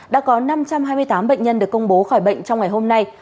đã có năm trăm hai mươi tám bệnh nhân được công bố khỏi bệnh trong ngày hôm nay